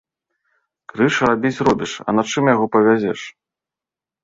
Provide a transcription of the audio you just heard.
Крыж рабіць робіш, а на чым яго павязеш?